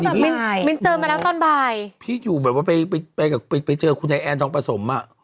ครึ่งก็แบบมันเจอมาแล้วตอนบ่ายพี่อยู่แบบว่าไปไปไปเจอคุณแอ้นทองประสงค์อ่ะ